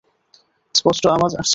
স্পষ্ট আওয়াজ আসছে না।